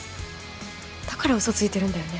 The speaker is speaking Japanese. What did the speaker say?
だからウソついてるんだよね？